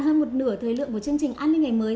hơn một nửa thời lượng của chương trình an ninh ngày mới